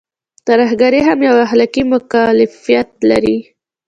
ترهګري هم يو اخلاقي مکلفيت لري.